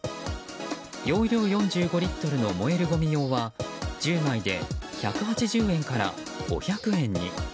容量４５リットルの燃えるごみ用は１０枚で１８０円から５００円に。